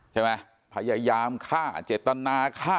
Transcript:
ใช่ไหมพยายามฆ่าเจตนาฆ่า